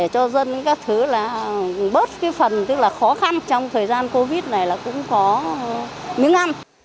thông qua những hành động của mình